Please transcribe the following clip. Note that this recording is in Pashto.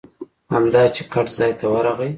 همدا چې ګټ ځای ته ورغی.